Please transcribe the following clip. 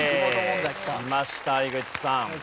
きました井口さん。